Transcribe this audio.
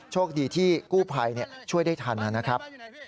โชคดีที่กู้ภัยช่วยได้ทันนะครับ